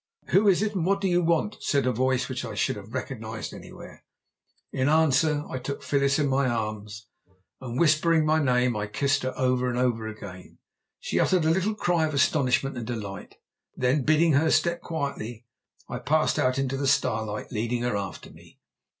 "Who is it, and what do you want?" said a voice which I should have recognized anywhere. In answer I took Phyllis in my arms and, whispering my name, kissed her over and over again. She uttered a little cry of astonishment and delight. Then, bidding her step quietly, I passed out into the starlight, leading her after me.